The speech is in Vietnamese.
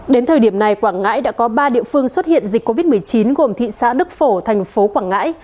đến thời điểm này quảng ngãi đã có ba địa phương xuất hiện dịch covid một mươi chín gồm thị xã đức phổ thành phố quảng ngãi